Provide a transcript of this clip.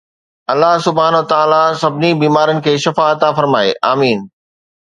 الله سبحانه وتعالي سڀني بيمارن کي شفا عطا فرمائي، آمين